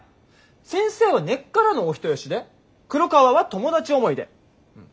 先生は根っからのお人よしで黒川は友達思いで。